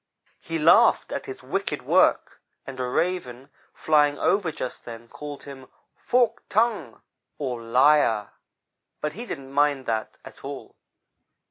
He laughed at his wicked work, and a Raven, flying over just then, called him 'forked tongue,' or liar, but he didn't mind that at all.